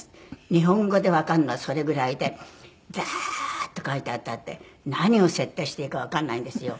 日本語でわかるのはそれぐらいでダーッと書いてあって何を設定していいかわからないんですよ。